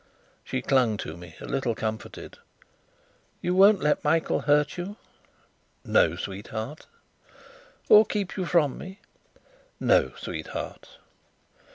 She clung to me, a little comforted. "You won't let Michael hurt you?" "No, sweetheart." "Or keep you from me?" "No, sweetheart."